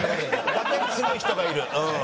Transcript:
楽屋にすごい人がいる。